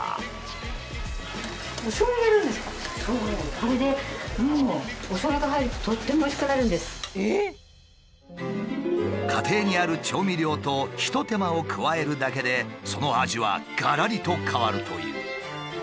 これでもう家庭にある調味料とひと手間を加えるだけでその味はがらりと変わるという。